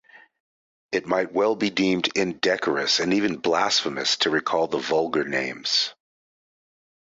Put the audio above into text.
It might well be deemed indecorous and even blasphemous to recall the vulgar names.